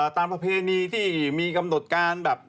ประเพณีที่มีกำหนดการแบบ